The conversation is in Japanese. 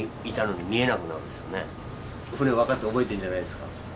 船分かって覚えてんじゃないですか？